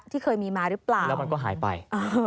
ที่เคยมีมาหรือเปล่าแล้วมันก็หายไป